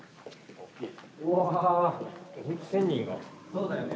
そうだよね